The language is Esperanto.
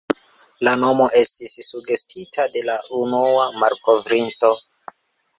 La nomo estis sugestita de la unua malkovrinto.